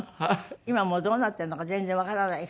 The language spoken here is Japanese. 今もうどうなってるのか全然わからないから。